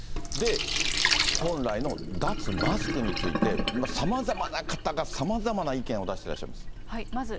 本来の脱マスクについて、さまざまな方が、さまざまな意見を出してらっしゃいます。